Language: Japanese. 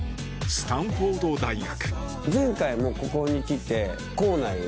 スタンフォードへ。